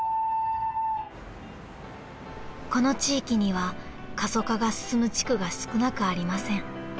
［この地域には過疎化が進む地区が少なくありません］